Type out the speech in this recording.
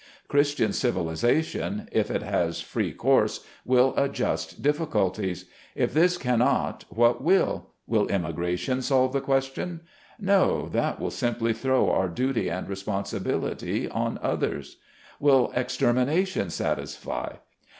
Christian civilization, if it has free course, will adjust difficulties. If this cannot, what will? Will emigration solve the question ? No, that will simply throw our duty and responsibility on others. Will extermination satisfy